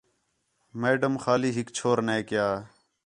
میڈم خالی ہِک چھور نَے کَیا